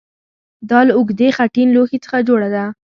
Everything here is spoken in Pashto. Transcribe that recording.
دا له اوږدې خټین لوښي څخه جوړه ده